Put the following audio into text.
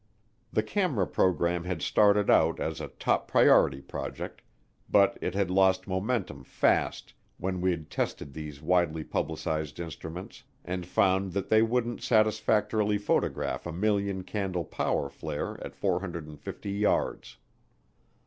The camera program had started out as a top priority project, but it had lost momentum fast when we'd tested these widely publicized instruments and found that they wouldn't satisfactorily photograph a million candle power flare at 450 yards.